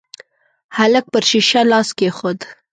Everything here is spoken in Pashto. هلک پر شيشه لاس کېښود.